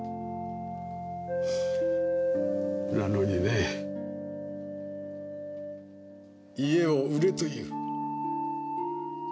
なのにね家を売れと言う。